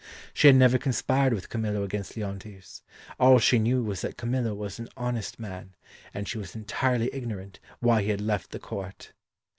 She had never conspired with Camillo against Leontes; all she knew was that Camillo was an honest man, and she was entirely ignorant why he had left the court.